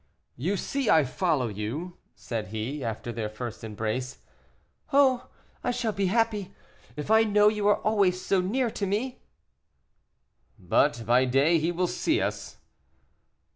"You see I follow you," said he, after their first embrace. "Oh! I shall be happy, if I know you are always so near to me." "But by day he will see us."